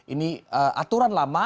ini aturan lama